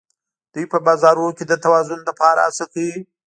دوی په بازارونو کې د توازن لپاره هڅه کوي